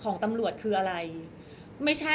ก็ต้องฝากพี่สื่อมวลชนในการติดตามเนี่ยแหละค่ะ